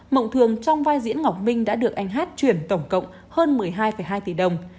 mộng thường trong vai diễn ngọc minh đã được anh hát chuyển tổng cộng hơn một mươi hai hai tỷ đồng